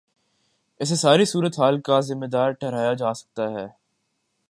اسے ساری صورت حال کا ذمہ دار ٹھہرایا جا سکتا ہے۔